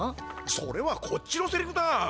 それはこっちのセリフだ！